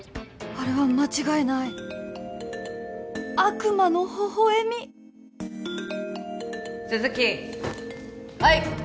あれは間違いない悪魔のほほ笑み鈴木はい！